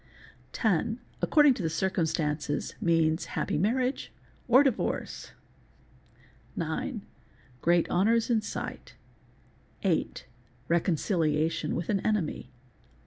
Ten—according to circumstances means happy — marriage or divorce. Nine—great honours in sight. Hight—vreconcilia — tion with an enemy.